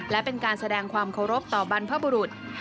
และเป็นการแสดงความเคารพต่อบรรพบุรุษ